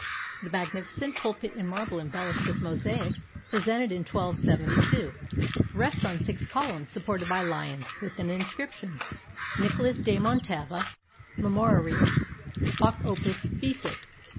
The magnificent pulpit in marble, embellished with mosaics, presented in 1272, rests on six columns supported by lions, with an inscription: "_Nicolaus de Montava marmorarius hoc opus fecit.